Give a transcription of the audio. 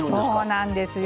そうなんですよ。